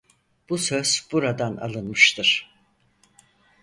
Bu söz buradan alınmıştır.